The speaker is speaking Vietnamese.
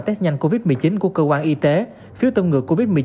test nhanh covid một mươi chín của cơ quan y tế phiếu tâm ngừa covid một mươi chín